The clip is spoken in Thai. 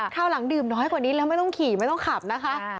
คราวหลังดื่มน้อยกว่านี้แล้วไม่ต้องขี่ไม่ต้องขับนะคะ